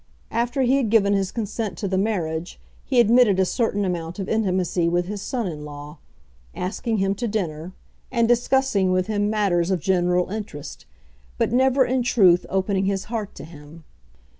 After he had given his consent to the marriage he admitted a certain amount of intimacy with his son in law, asking him to dinner, and discussing with him matters of general interest, but never, in truth, opening his heart to him.